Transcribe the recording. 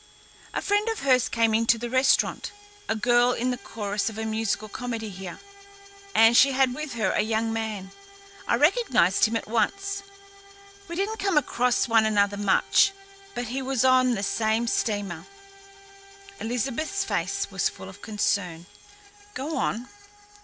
"A friend of hers came into the restaurant, a girl in the chorus of a musical comedy here, and she had with her a young man. I recognised him at once. We didn't come across one another much, but he was on the steamer." Elizabeth's face was full of concern. "Go on."